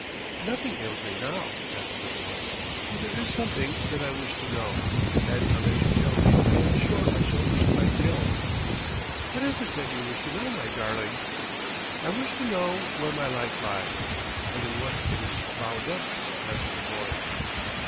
"Nothing ails me now," answered the boy, "but there is something that I wish to know, and unless you tell me I am sure I shall be quite ill." "What is it that you wish to know, my darling?" "I wish to know where my life lies, and in what it is bound up," answered the boy.